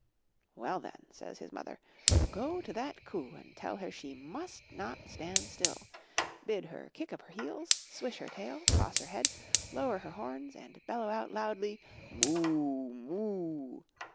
'Well, then," says his mother, ''go to that COO and tell her she MUST NOT stand still. Bid her kick up her heels, swish her tail, toss her head, lower her horns, and bellow out loudly, 'Moo oo, Moo oo!'